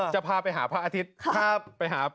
จะพาไปถามอเตอร์ไซคันพระอาทิตย์